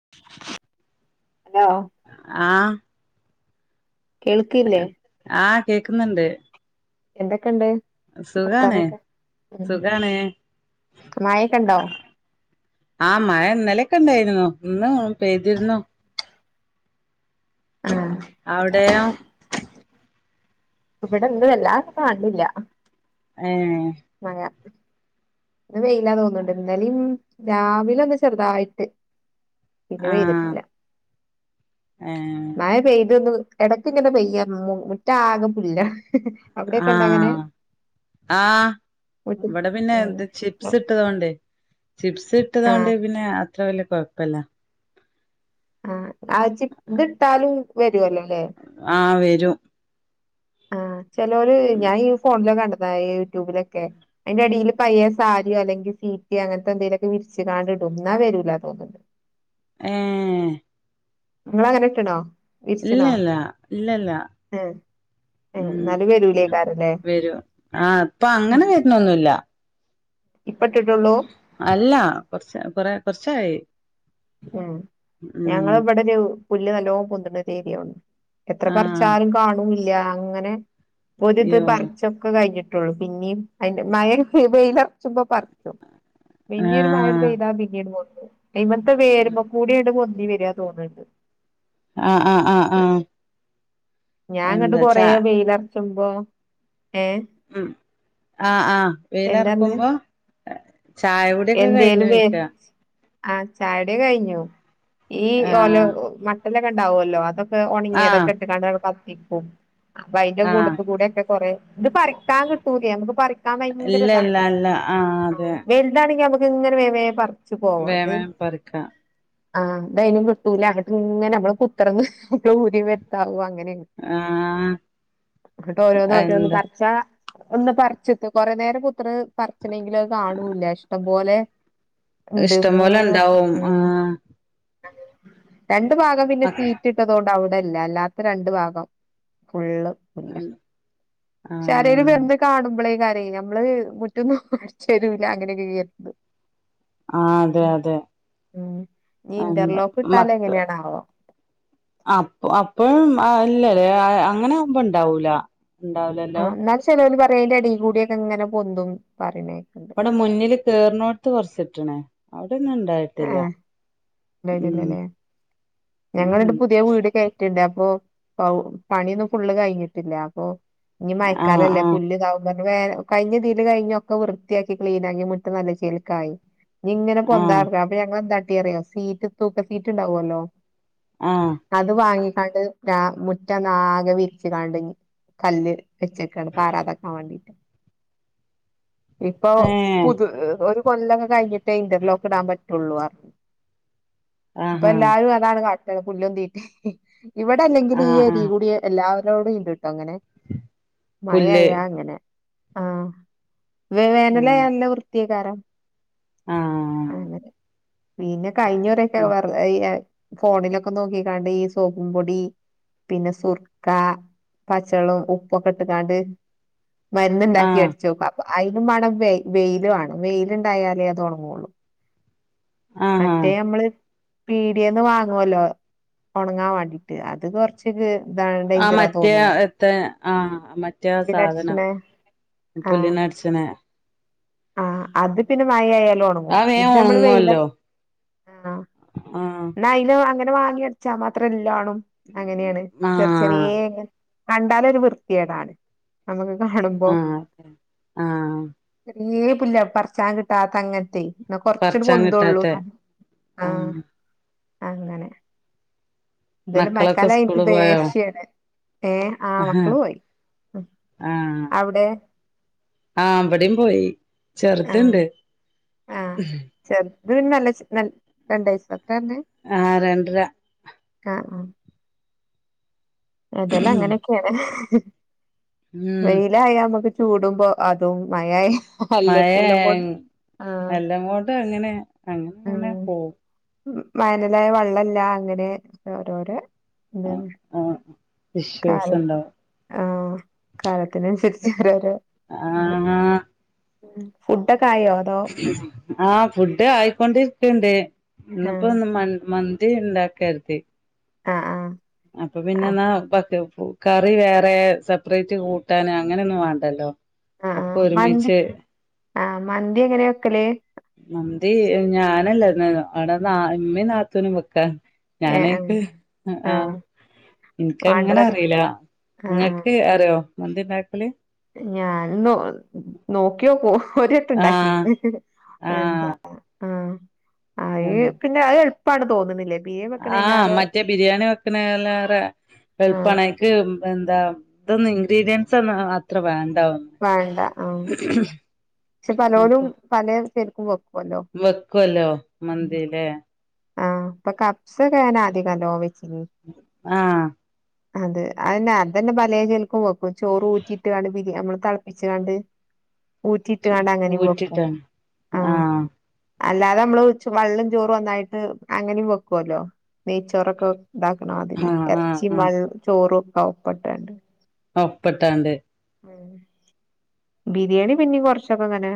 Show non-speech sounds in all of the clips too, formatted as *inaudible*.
*unintelligible* ആ കേൾക്കില്ലേ കേക്കുന്ന്ണ്ട് എന്തൊക്കെണ്ട് വർത്താനൊക്കെ മ്മ് സുഖാണ് മായൊക്കെ ഉണ്ടോ ആ മഴ ഇന്നലൊക്കെ ഉണ്ടായിരുന്നു ഇന്ന് പെയ്തിര്ന്നു ആഹ് അവിടെയോ ഇവിടെന്നും വല്ലാും കാണില്ല ഏ ന്ന് വെയിലാ തോന്നുന്നുണ്ട് ന്നലിം രാവിലെ ഒന്ന് ചെറുതായിട്ട് പിന്നെ ആഹ് പെയ്തിട്ടില്ല ഏഹ് മായ പെയ്തൊന്ന് ഇടക്ക ഇങ്ങനെ പയ്യ മുറ്റ ആകെ പുുല്ല അവിടെൊക്കെണ്ടങ്ങനെ ആ ഇവിടെ പിന്നെ ഉം ഇത് ചിപ്സ് ഇട്ടതൊണ്ട്േ ചിപ്സ് ഇട്ടതൊണ്ട് ആഹ് പിന്നെ അത്ര വല്ിയ കൊഴപ്പല്ല *inaudible* ലെ *unintelligible* ആ ചിലര് ഞാൻ ഈ ഫോണില കണ്ട ദാ യൂറ്റൂബിലൊക്കെ അയിന്റടീല് പയേ യുട്യുബിലൊക്കെ അയിന്റടീല് പയേ സാര്യോ അല്ലങ്കി സീറ്റ് അങ്ങൻത്തെന്തേലൊക്കെ വിരിച്ച്ങ്ങാണ്ട്ട് ന്നാ വരൂല തോന്ന്ണ്ട് ഏ ഇങ്ങളങ്ങനെട്ട്ണോ ഇല്ലല്ല ഇല്ലല്ല ഏഹ് ഏഹ് ഉം. ഇന്നാല് അ വരൂലേക്കാരല്ലേ വരൂ അ ഇപ്പ അങ്ങനെ വെര്ന്നൊന്നുല്ല ഇപ്പ ഇട്ടിട്ടൊള്ളൂ അല്ല കുറച്ച കൊറ കുറച്ചായി ഉം ഞങ്ങളെ ഇവിടെ ഒരു പുല്ല് നല്ലോം പൊന്ത്ണഒരുഅരെയേ എത്ര ആഹ് പറച്ചാലും കാണൂല്ല. അങ്ങനെ ഒരിത് അയ്യോ പറച്ചൊക്കെ കഴിഞ്ഞ് ട്ടൊള്ളൂ പിന്നിം അയ്ന്റെ മയ വെയിലെറച്ചുമ്പോ പറച്ചും പിന്നീ ഒരു മയങ്ങട് ആഹ് പെയ്താ പിന്നീങ്ങട് പോ എയ്മത്തെ വേര്മ്മക്കൂടേണ് പൊന്തി വെരാ തോന്ന്ണ്ട് ആആആആ ഞാൻങ്ങട്ട്കൊറേ വെയ്ലർച്ചുമ്പോ ഉം ആ ആ എന്താർഞ്ഞെ വെയ്‌ലർക്കുമ്പോ ചായകുടിയൊക്കെ കയ്ഞ്ഞോയ്ക്ക ആ ചായടികയ്ഞ്ഞു. ഈ ഓല ആഹ് മട്ടലൊക്കെ ഉണ്ടാവല്ലോ അതൊ ക് ആഹ് ഒണങ്ങിയേതെക്കെട്ട്ങ്ങാണ്ടണ് കത്തിക്കും അപ്പൊ അയ്ന്റെ ആഹ് കൂട്ടത്തുക്കൂടെക്കെ കൊറെ ഇത് പറിക്കാൻ കിട്ടൂല്യാ നമുക്ക് പറി കാം ഇല്ല ഇല്ല ഭയങ്കരതാണ്. ഇല്ല ആഹ് ആ അതെ വെൽതാണെങ്കിമ്മക്ക്ങ്ങനെ വേം വേം പറ വേം വേം പറിക്കാ ആ ഇതയ്നും കിട്ടൂല. ന്നങ്ങട്ട്ങ്ങനെമ്മള് കുത്തർന്ന് മുട്ടും ഊരിം വെത്താവും അങ്ങനെ ആഹ് ഇന്ന്ട്ട് ഓരോന്നോരോന്ന് എന്താ പർച്ചാ ഒന്ന് പറിച്ചിത്ത് കൊറെ നേരം കൂത്തർന്ന് പറിച്ചണെങ്കിൽ അത് കണുല്ല ഇഷ്ടം പോലെ ഇണ്ട് ഇഷ്ടം പോലെ ഉം ഇണ്ടാവും ആഹ് രണ്ട്ഭാഗം പിന്നെ മക്ക് സീറ്റ് ഇട്ടതോണ്ട് അവ്ടെല്ല. അല്ലാത്ത രണ്ട് ഭാഗ് പൊ ഫുള്ള് ആഹ് പുല്ലാ ശെആരേലും ആഹ് വെന്ന് കാണുമ്പളെയ്കാ തയ് ഞമ്മള് മുറ്റൊന്നും അടിച്ചോരൂ ലാ അങ്ങനെക്കെ വിജാരിക്ക്ന് അതെ *unintelligible* അതെ ഞ്ഞ് എന്താ ഇന്റർലോക്ക് ട്ടാലെങ്ങനെയാനാവോ ആപൊ അപെംആ ഇല്ലലെ ആ അങ്ങനാവുമ്പൊ ഉണ്ടാവൂല ആ ഇന്നാല് ചെലോല് പറയലടീ കൂടെയ്ക്കെങ്ങനെ പൊന്തും പറിണേ ഇവടെ മുന്നില് കേറ്ണോട്ത്ത് കൊറച്ച്ട്ട്ണ് ട്ട്ന്ന്ണ്ടായിട്ടില്ല ഏ ഉം ഉം ഞങ്ങള്ണ്ട് പുത്യേ വീട് കേറ്റ്ണ്ട് അപ്പോ പൗ പണിയൊന്നും ഫുള്ള് കയ്ഞ്ഞ്ട്ടില്യാ. അപ്പോ ഇഞ്ഞ് ആഹ് മയക്കാലല്ലേ ആഹ് പുല്ല്താവുമ്പോ ങ്ങേ കയ്ഞ്ഞതില് കഴിഞ്ഞൊക്കെ വൃത്തിയാക്കി ക്ലീനാ ഇനി മുറ്റംനല്ല ചേൽക്കായി ഇഞ്ഞ് ങ്ങനെ ആഹ് പൊന്താന്ക്കാ അപ്പൊ ഞങ്ങള് എന്താട്ടീറ്യോ സീറ്റ് *unintelligible* സീറ്റ്ണ്ടാ വൊലോ ആഹ് അത് വാങ്ങി ആണ്ട് ഞാ മുറ്റൊന്നാകെ വിരിച്ച് കാണ്ട്ഞ്ഞ് കല്ല് വെച്ചയ്ക്കാണ് പാറാതെക്കാവേണ്ടീറ്റ് ഇപ്പൊ ഏഹ് പുതു ഒരു കൊല്ലൊഒക്കെ കയിഞ്ഞ്ട്ടേ ഇന്റർലോക്ക് ഇടാൻ പറ്റൊള്ളൂഞ്ഞ് ആഹാ ഇപ്പെല്ലാരും അതാണ് കാട്ടണ് പുല്ലും തീറ്റീം ഇവടല്ലങ്കിലു ഈ ആഹ് ആഹ് ഏരീക്കൂടെ എല്ലാവരോടിണ്ട് അങ്ങനെ പുല്ല് മയായാങ്ങനെ ആ വ് ആഹ് വേനലായാ ല്ല വൃത്ത്യയ്കാരം ആഹ് അയന്നെ പിന്നെ കയ്ഞ്ഞുറിക്കെ വെറ് എയ് എ ഫോണിലെക്കെ നോക്കിങ്ങാണ്ടെയ് ഈ സോപ്പും പൊടി പിന്നെ സുർക്ക പച്ചള്ളും ഉപ്പൊക്കെ ഇട്ട്കാണ്ട് ആഹ് മര്ന്ന്ണ്ടാക്കിയട്ച്ചോക്കാ അപ്പോ അയ്നും വാണംവെയ് വെയ്ല് വാണംവെയ്ല്ണ്ടായാലെ അത് ഒണങ്ങാെള്ളൂ ആഹാ മറ്റേയമ്മള് പീടിയന്ന് വാങ്ങുവല്ലോ ഉണങ്ങാൻ വേണ്ടിട്ട് അത് കൊറച്ച് ആ മറ്റേ എത്ര ആഹ മറ്റേ സാധനം പുല്ലിനടിച്ചണേ പുുള്ളിന്ന അടിച്ചന ആ അത് പിന്നെ മഴ ആായാലും ഉണങ്ങും തുണങ്ങുവല്ലോ എന്ന അല് അങ്ങനെ വാങ്ങി വരച്ചാ മാത്രംല്ല ആും അങ്ങനെയാണ് ചെറ ആഹ് ചെറിയെ കണ്ടാലരു വൃത്തിയേടാണ് നമുക്ക് കാണുമ്പോ ആഹ് ആഹ് ഏ പുല്ല പറച്ചാൻ കിട്ടാത്ത അങ്ങനത്തെ എന്ന കൊറച്ചൂടി പറിച്ചാൻ പൊന്തള്ളൂ കിട്ടാത്തെ ആഹ ആഹ് അങ്ങനെ എന്തായാലും മക്കളൊക്കെ മയക്കാല എനിക്ക് സ്കൂള് പോയോ ദേശ്യാണ് ഏഹ ആ മക്കള പോയി അവിടെ ആഹ അവിടയും പോയി ചെറുത്ണ്ട് ആഹ ചെറുത് പിന്നെ നല്ല രണ്ടയസ ആ രണ്ട് ആ ആ അതെല്ലാം അങ്ങനെയൊക്കെയാണ് ഉം വെയില ആായമക്ക് ചൂടുമ്പോ അതും മയായി മഴ എല്ലാംങ്ങോട്ടും അങ്ങനെ അങ്ങനെ അങ്ങനെ പോകും വയനലായ വള്ളല്ല അങ്ങനെ ഓരോരോ എ ആഹ് ക ഇഷ്യൂസ് ഉണ്ടാവും ആഹ കാലത്തിനനുസരി ര ആഹ് ഫുക്കെ ആഹ് ഫുഡ് ആയിക്കൊണ്ടിരിക്കണ്ട് ആഹ് ഇന്നപ്പോന്ന് ഇത ഉണ്ടാക്കരുത് ആഹ ആഹ അപ്പൊ പിന്നെ എന്നാക്ക് കറി വേറെ സെപ്പറേറ്റ് കൂട്ടൻ അങ്ങനെയൊന്നും വേണ്ടല്ലോ ഒപ്പ ഒരുമിച്ച് ആ മന്തി എങ്ങനെയൊക്കല്േ നന്തി ഞാനല്ല അവിടെ നാ എമ്മീ നാത്തൂനും വെക്കാൻ ഏഹ് ആഹ് ഞാനക്ക് ആഹ ആഹ് എനക്ക് അങ്ങനെ വാണ്ടതൊക്കെ അറിയില്ല ആഹ് ആഹ് നിങ്ങക്ക് അറിയോ എന്തിണ്ടാക്കല് ഞാൻ നോ നോക്കിയോക്കോ ഒരട്ട ആഹ് ഉണ്ടാക്കിട് എന്താ ആഹ് ആ ആ പിന്നെ അത് എളുപ്പമാണ് തോന്നുന്നില്ലേ ആ മറ്റേ ബിരിയാണി വെക്കണ എല്ല ആ എളുപ്പണക്ക് എന്താ ഇതൊന്ന് ഇൻഗ്രീഡിയൻറ്സ് ഒന്ന അത്ര വേ വേണ്ട ആ പക്ഷെ പലോടും അപ്പൊ പല ചെർക്കും വെക്കുവല്ലോ വെക്കുവല്ലോ മന്തില്ലേ ആ ഇപ്പൊ കപ്സ് കേന അധികംല്ലോ ആ അതെ അതന്നെ അത് തന്നെ വല ചെലക്കും വെക്കും ചോറ് ഊറ്റിയിട്ട് കണ്ട് നമ്മള് തെളപ്പിച്ച് കാണ്ട് ഊറ്റിയിട്ട് കാണ്ട അങ്ങനെയ വെക്കും ഊറ്റിട്ടാണ് ആ ആഹ് അല്ലാതെ നമ്മള് വെള്ളം ചോറും ഒന്നായിട്ട് അങ്ങനെയും വെക്കുവല്ലോ നെയ്ച്ചോറൊക്കെ ഇതാക്കണം അതിരി ആഹ് ആഹ് ആഹ് ചിമൽ ചോറും ഒക്കെ ഒപ്പിട്ടുണ്ട് ഒപ്പട്ടാണ്ട് ബിരിയാണി പിന്നെ കൊറച്ചൊക്കെ അങ്ങനെ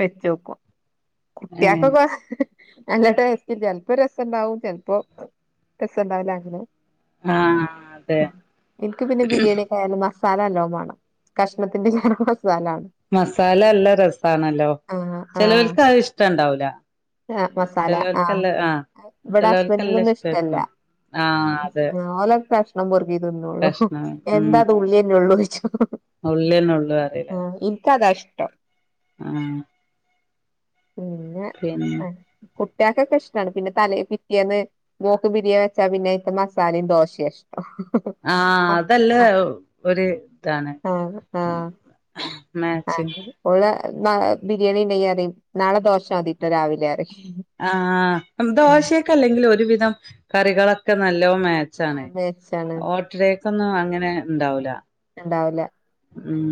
വെച്ചോക്കും ഏഹ് കുട്ടിയക്കക്ക അങ്ങ ചിലപ്പോ രസംണ്ടാവും ചിലപ്പോ രസുണ്ടാവല അങ്ങനെ ആഹ് അതെ എനിക്ക് പിന്നെ ബിരിയാണി കായാല മാ സ്ഥല്ലോ വേണം കഷ്ണത്തിന്റെ ക മസാലല്ല രസാണല്ലോ ചെലോൽക്ക് അത് ഇഷ്ടംണ്ടാവൂല. ആ മസാല ആ ഇവടെ ചെലോൽക്കല്ല ഹസ്ബൻഡിനൊന്നും ഇഷ്ടല്ല. ഇഷ്ടായിരിക്കും ആഹ് അതെ ഓലക്കഷ്ണം പെറുക്കി തിന്നോള്ളു കഷ്ണം എന്താത് ഉള്ളിന്നെ ഉള്ളൂയിച്ച്. ഉള്ളിന്നെ ഉള്ളൂ അറിയിലേ. അതാഷ്ടം. ആ പിന്നെ കുട്ട് ട്ട്യാക്കൊക്കെ ഇഷ്ടാണ് പിന്നെ തലേ പിറ്റ്യേന്ന് മോക്ക് ബിരിയാണിച്ചാ പിന്നെ മസാലയും ദോശയാഷ്ടം. ആ അതല്ല ഒരു ഇതാ ആ ആ ആ മാച്ചിങ് ഓളന്നാ ബരിയാണിണ്ടക്കറിയും ആ ഉം ദോശക്കല്ലെങ്കിലൊരുവിധം കറികള ക്ക നല്ലോം മാച്ചാണ് അത് മേച്ചാണ് ഓട്ടടേക്കൊന്നും അങ്ങനെണ്ടാവൂല. ഇണ്ടാവുല. ഉം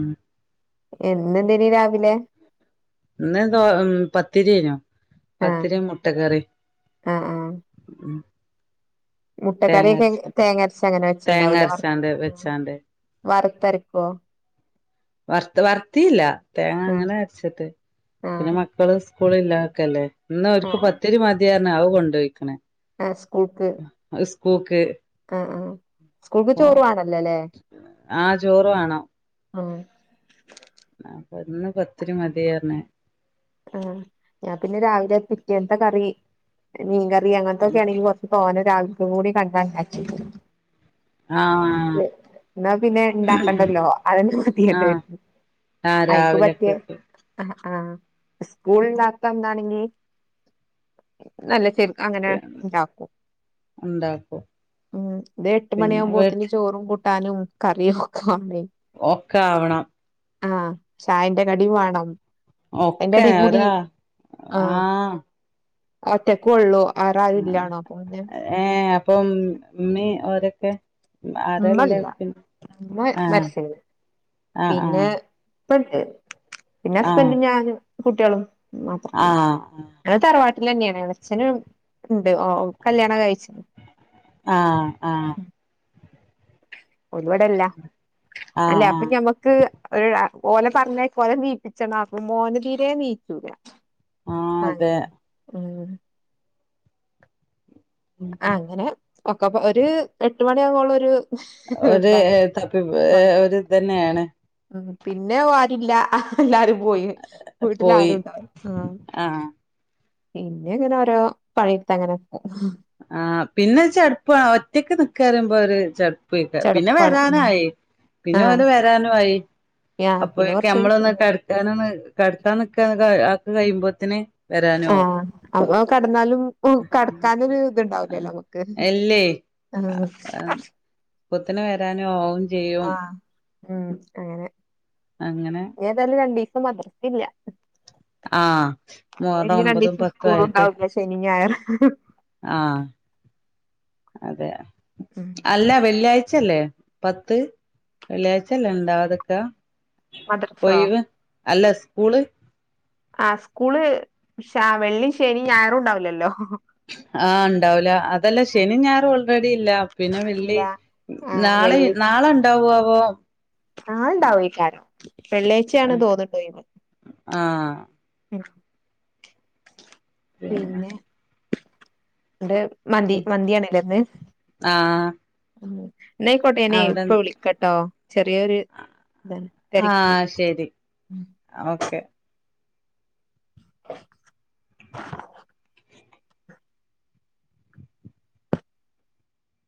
എന്തിണ്ടയിനി രാവിലെ? ഇന്ന്‌ ദോ പത്തിരിയാനു. ആഹ് പത്തിരിം മുട്ടക്കറിം ആഹ് ഉം മുട്ട തേങ്ങ കറിയക്കെ അരച്ചാണ്ട് തേങ്ങരച്ചങ്ങനെ തേങ്ങ വെച്ചിണ്ടാവൂലേ വർ അരച്ചാണ്ട് വെച്ചാണ്ട് വറുത്തരക്കോ? വർത്ത് വർത്തില ആഹ് തേങ്ങങ്ങനെ അരച്ചിട്ട് ആഹ് പിന്നെ മക്കള് സ്കൂളില്ലാക്കല്ലേ ഇന്ന് ഓർക്കു പത്തിരി മതിറഞ്ഞ് ആവ് കൊണ്ടോയ്ക്കണ്. ആ സ്കൂൾക്ക്. പ്പോക്ക്. ആ ആ സ്കൂൾക്ക് ചോറുവാണല്ലോല്ലേ? ആ ചോറ് വാണം. ആ ആ പ്പന്ന് പത്തിരി മതിയാറിഞ്ഞ്. ആ ഞാ പിന്നെ രാവിലെ പിറ്റേൻത്തെ കറി മീൻ കറി റീ അങ്ങനത്തൊക്കാണെങ്കി കൊറച്ച് തോനെ രാവിലെ ആഹ് *unintelligible* ന്നാ പിന്നെ ഇണ്ടാക്കണ്ടല്ലോ അതെന്നെ ആഹ് മതിയല്ലോയെനിക്. ആഹ് അയിക്കു പറ്റിയ രാവിലക്കക്ക് സ്കൂൾണ്ടാക്കാന്നാണെങ്കി നല്ല ചെറി അങ്ങനെണ്ടാക്കും. ഉണ്ടാക്കും ഉം ഇത് എട്ട് പിന്നെ മണിയാമ്പോത്തന് വീട്ട് ചോറും കൂട്ടാനും കറിയും ഓക്കെ ആവണം. ആ ചായന്റെ കടി വാണം. അയിന്റെ എടേ കൂടി ഒക്കെതാ ആ ഒറ്റക്കോള്ളൂ ആറാരുല്ലാണോ അപ്പൊന്നെ പ്പം ഉമ്മീ ഓരൊക്കെ? ആരല്ലേ ഉമ്മല്ല പിന്നെ ഉമ്മ ആഹ് മരിച്ചോയ് പിന്നെ ആഹ് പ്പല്ല് പിന്നെ ആഹ് ഹസ്ബൻഡും ഞാനും കുട്ടികളും മാത്രാമായി ആഹ് *unintelligible* തറവാ ച്ഛനും ണ്ട് ഓ കല്യാണം കഴിച്ച് ആഹ് ആഹ് ആഹ് ഒലിവടല്ല ആഹ് അല്ലേ അപ്പ ആഹ് ഞമ്മക്ക് ഒര് ആ ഓലെ പറഞ്ഞയ ഓലെനീപ്പിച്ചണം മോന് തീരെയേനീക്കൂല. ആഹ് ആണ്ലേ ഉം അങ്ങനെ ഒക്കപ്പ ഒര് എട്ട് മണിയാകുബോള്ളൊരു ഒരു തപ്പി ഒരിതന്നെയാണ്. ഉം പിന്നെ ആരുല്ല എല്ലാരും പോയി പോയി വീട്ടിലാരുണ്ടാവില്ല ആ ആഹ് പിന്നെ ഇങ്ങനോരോ പണിയെടുത്തങ്ങനെ. ആഹ് പിന്നെ ചെടുപ്പ ഒറ്റക്കെ നിക്കറിയുമ്പോ ഒരു ചെ പിന്നെ ചെടപ്പാണ് ഉം വരാനായി പിന്നെ ആഹ് ഓര് വരാനുയി. ആഹ് പിന്നെ അപ്പൊക്കെ കൊറച്ച് നമ്മളൊന്ന് കടത്താന കടത്താ നിക്ക ആക്ക കഴിയുമ്പോത്തനെ ആ അപ്പ കടന്നാലും കടക്കാൻ ഇത്ണ്ടാവലോ നമുക്ക് എല്ലേ ആ പുത്തന വരാനോ ഓ ആ ഉം അങ്ങനെ അങ്ങനെ ഏതായാലും രണ്ടീ മദ്രസ ഇല്ല. ആഹ് മുഹറം ഇനി ഒമ്പതും രണ്ടിസം പത്തും സ്കൂള ആയിട്ട് ഉണ്ടാവില്ല ശനി ഞായർ. ആഹ് അതെ അല്ല വെള്ളിയാഴ് ച്ചല്ലേ പത്ത് വെള്ളിയാഴ്ചല്ലേ ഉണ്ടാതൊക്കാ. മദ്രസൊ. അല്ല സ്കൂള്. ആ സ്കൂള് വെള്ളി ശനി ഞായറും ഉണ്ടാവില്ലല്ലോ? ആഹ് ഉണ്ടാവുല. അതല്ല ശനി ഞാറും ഓൾറെഡി ഇല്ല പിന്നെ ഇല്ല വെള്ളി ആ നാളെ നാളെ ഉണ്ടാവുആവോ? ആഹ് ഇണ്ടാവയി കാരം. വെള്ളിയാഴ്ച്ചയാണ് തോന്നണ്ട് പോയിത്. ആഹ് ഉം പിന്നെ എ മന്തി മന്തിയാണല്ലന്ന്. ആഹ് ഉം നെയക്കോട്ടെന അവിടെ ഇപ്പൊ വിളിക്കട്ടോ? ചെറിയൊരു ഇതാണ് രിക്ക ആഹ് ശരി ഓക്കെ *unintelligible*